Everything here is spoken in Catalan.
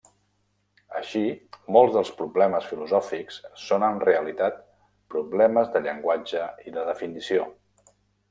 Així, molts dels problemes filosòfics són en realitat problemes de llenguatge i de definició.